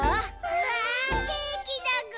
うわケーキだぐ！